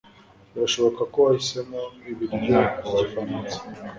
Birashoboka ko wahisemo ibiryo byigifaransa.